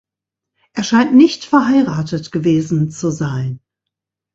Er scheint nicht verheiratet gewesen zu sein.